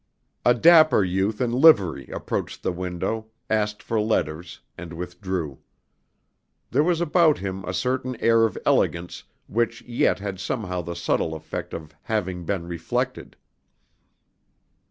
A dapper youth in livery approached the window, asked for letters and withdrew. There was about him a certain air of elegance which yet had somehow the subtle effect of having been reflected.